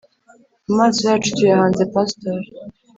Amaso yacu tuyahanze pastor